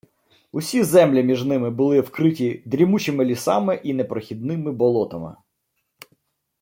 Усі землі між ними були вкриті дрімучими лісами й непрохідними болотами